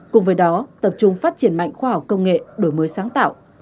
cùng với đó tập trung phát triển mạnh khoa học công nghệ đổi mới sáng tạo